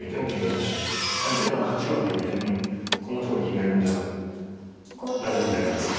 相手の８五の銀を見てうんこんなとこに銀がいるんじゃあ大丈夫だよなとか。